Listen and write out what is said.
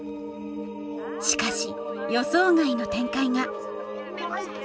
しかし予想外の展開がそして